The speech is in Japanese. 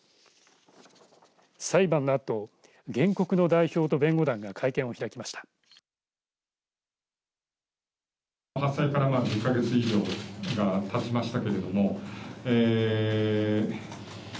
裁判のあと、原告の代表と弁護団が会見を開きました。